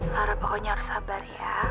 harap pokoknya harus sabar ya